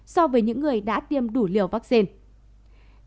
so với những người đã tiêm đủ liều vaccine